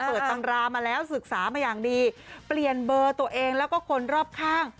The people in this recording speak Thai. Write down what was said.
ตำรามาแล้วศึกษามาอย่างดีเปลี่ยนเบอร์ตัวเองแล้วก็คนรอบข้าง